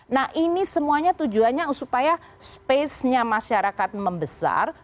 nah ini semuanya tujuannya supaya spesenya masyarakat membesar